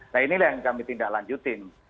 nah inilah yang kami tindak lanjutin